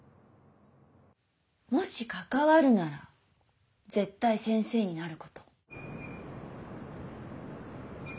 もし関わるなら絶対先生になること。